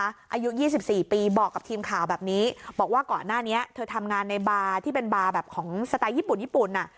อายุ๒๔ปีบอกกับทีมข่าวแบบนี้บอกว่าก่อนหน้านี้เธอทำงานในบาร์ที่เป็นบาร์แบบของสไตล์ญี่ปุ่นญี่ปุ่นอ่ะ